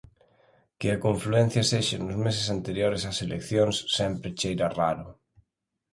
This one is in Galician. Que a confluencia sexa nos meses anteriores ás eleccións sempre cheira raro.